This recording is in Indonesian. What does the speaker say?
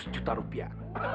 seratus juta rupiah